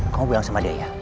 kamu bilang sama dia ya